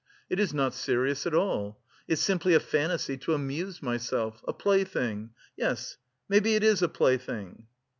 It is not serious at all. It's simply a fantasy to amuse myself; a plaything! Yes, maybe it is a plaything."